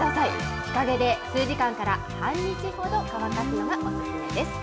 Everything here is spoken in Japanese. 日陰で数時間から半日ほど乾かせばＯＫです。